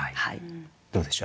どうでしょう？